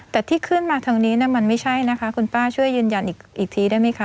แต่ที่ขึ้นมาทางนี้มันไม่ใช่นะคะคุณป้าช่วยยืนยันอีกทีได้ไหมคะ